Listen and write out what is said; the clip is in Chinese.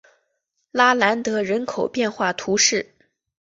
拉兰德人口变化图示